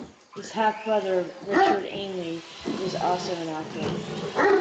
His half-brother, Richard Ainley, was also an actor.